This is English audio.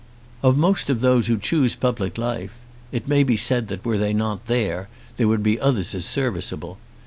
Of most of those who choose public life, it may be said that were they not there, there would be others as serviceable.